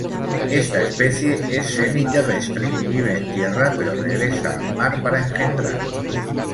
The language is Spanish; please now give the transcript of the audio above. Esta especie es semi-terrestre, vive en tierra pero regresa al mar para engendrar.